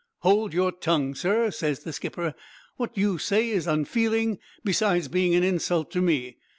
"'Hold your tongue, sir,' ses the skipper; 'what you say is unfeeling, besides being an insult to me.